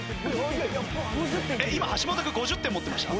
今橋本君５０点持ってました？